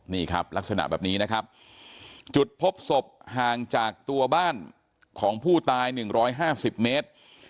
นี่ครับลักษณะแบบนี้นะครับจุดพบศพห่างจากตัวบ้านของผู้ตาย๑๕๐เมตร